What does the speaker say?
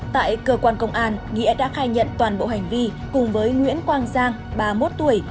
tại cơ quan công an nghĩa đã khai nhận toàn bộ hành vi cùng với nguyễn quang giang ba mươi một tuổi